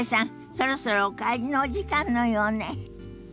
そろそろお帰りのお時間のようね。